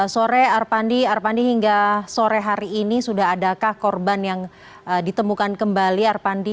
sore arpandi arpandi hingga sore hari ini sudah adakah korban yang ditemukan kembali arpandi